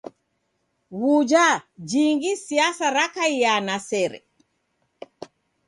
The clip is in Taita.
W'uja jingi siasa rakaiaa na sere?